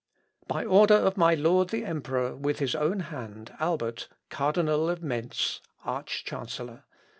"By order of my Lord the Emperor, with his own hand, Albert, Cardinal of Mentz, Arch chancellor.